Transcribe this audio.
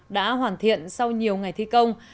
đã hoàn thiện sau nhiều ngày thi công